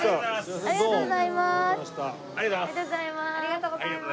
ありがとうございます。